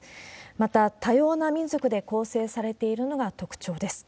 また多様な民族で構成されているのが特徴です。